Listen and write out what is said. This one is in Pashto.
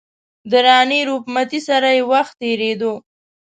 د راني روپ متي سره یې وخت تېرېدو.